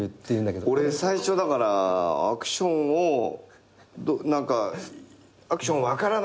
俺最初だからアクションを何かアクション分からないんでみたいな嘘ついて。